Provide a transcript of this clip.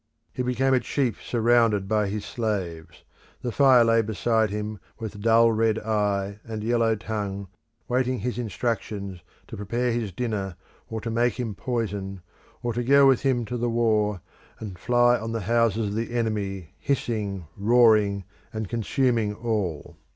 He became a chief surrounded by his slaves; the fire lay beside him with dull red eye and yellow tongue waiting his instructions to prepare his dinner, or to make him poison, or to go with him to the war, and fly on the houses of the enemy, hissing, roaring, and consuming all.